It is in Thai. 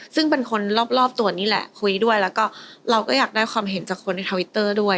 ซึ่งเป็นคนรอบตัวนี่แหละคุยด้วยแล้วก็เราก็อยากได้ความเห็นจากคนในทวิตเตอร์ด้วย